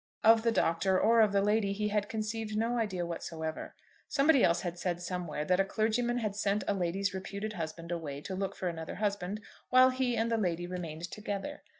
Of the Doctor or of the lady he had conceived no idea whatsoever. Somebody else had said somewhere that a clergyman had sent a lady's reputed husband away to look for another husband, while he and the lady remained together.